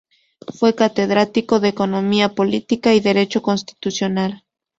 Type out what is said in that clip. Fue catedrático de Economía política y Derecho constitucional.